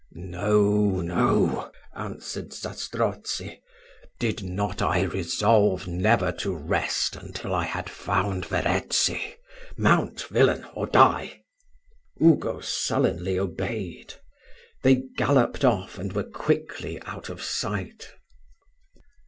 "No, no," answered Zastrozzi; "did not I resolve never to rest until I had found Verezzi? Mount, villain, or die." Ugo sullenly obeyed. They galloped off, and were quickly out of sight.